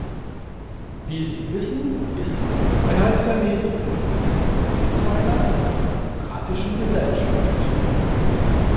Wie Sie wissen, ist die Freiheit der Medien einer der Grundpfeiler einer demokratischen Gesellschaft.